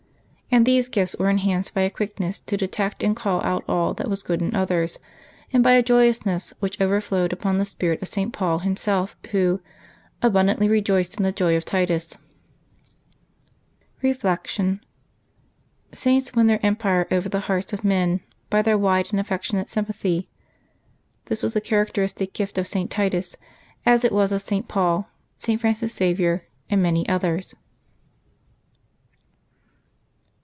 And these gifts were enlianced by a quickness to detect and call out all that was good in others, and by a joyousness which overflowed upon the spirit of St. Paul himself, who " abundantly rejoiced in the joy of Titus." Reflection. — Saints win their empire over the hearts of men by their wide and affectionate sympathy. This was the characteristic gift of St. Titus, as it was of St. Paul, St. Francis Xavier, and many others.